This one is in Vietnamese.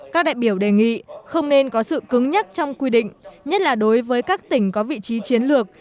các đại biểu đề nghị không nên có sự cứng nhắc trong quy định nhất là đối với các tỉnh có vị trí chiến lược